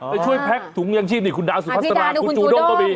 ไปช่วยแพ็กถุงยังชีพนี่คุณดาวสุภาษาคุณจูด้งก็มี